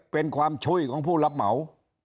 เป็นความช่วยของผู้รับเหมา